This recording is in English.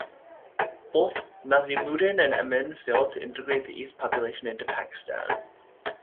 Both Nazimuddin and Amin failed to integrate the East population into Pakistan.